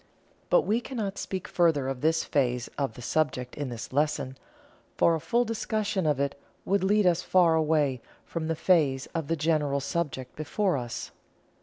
But we cannot speak further of this phase of the subject in this lesson, for a full discussion of it would lead us far away from the phase of the general subject before us.